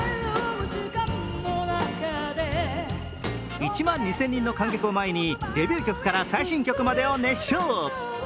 １万２０００人の観客を前にデビュー曲から最新曲までを熱唱。